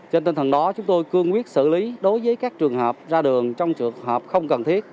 trên tinh thần đó chúng tôi cương quyết xử lý đối với các trường hợp ra đường trong trường hợp không cần thiết